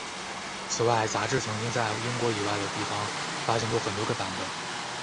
此外杂志亦曾经在英国以外的地方发行过多个版本。